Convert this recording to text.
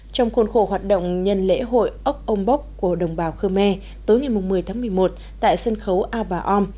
trong khuôn khổ hoạt động nhân lễ hội ốc ông bóc của đồng bào khơ me tối ngày một mươi tháng một mươi một tại sân khấu a ba bà om